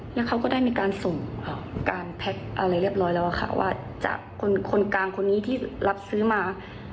แล้วเขาก็ได้มีการส่งการแพ็คอะไรเรียบร้อยแล้วค่ะว่าจากคนกลางคนนี้ที่รับซื้อมา